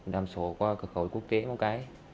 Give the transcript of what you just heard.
làm sổ qua cửa khẩu quốc tế móng cái